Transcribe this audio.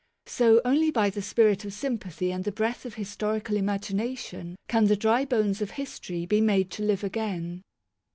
So only by the spirit of sympathy and the breath of historical imagination can the dry bones of history be made to live again.